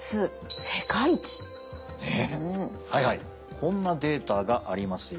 はいはいこんなデータがありますよ。